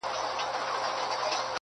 اوس چي زه ليري بل وطن كي يمه.